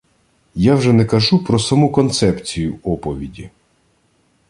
Я вже не кажу про саму концепцію оповіді